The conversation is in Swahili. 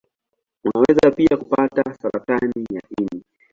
Unaweza pia kupata saratani ya ini.